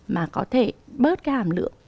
mà có thể bớt cái hàm lượng